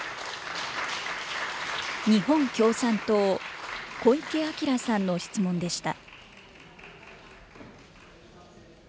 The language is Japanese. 日本共産党、小池晃さんの質問でした。